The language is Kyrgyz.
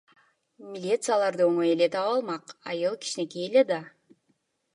Милиция аларды оңой эле таап алмак, айыл кичинекей эле да.